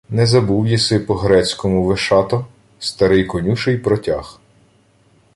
— Не забув єси по-грецькому, Вишато? Старий конюший протяг: